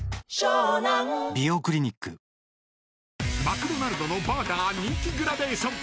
［マクドナルドのバーガー人気グラデーション］